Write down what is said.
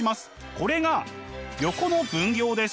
これが「横の分業」です。